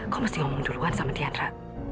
kok mesti ngomong duluan sama dia nra